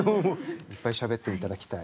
いっぱいしゃべっていただきたい。